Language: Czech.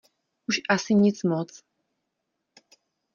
Už asi nic moc.